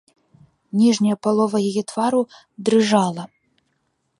Ніжняя палова яе твару дрыжала.